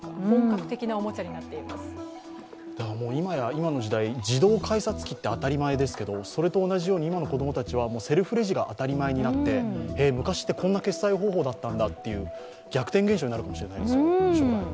今の時代、自動改札機って当たり前ですがそれと同じように今の子供たちがセルフレジが当たり前になって、昔ってこんな決済方法だったんだっていう逆転現象になるかもしれないですよ。